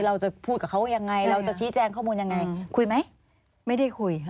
เราจะพูดกับเขายังไงเราจะชี้แจงข้อมูลยังไงคุยไหมไม่ได้คุยค่ะ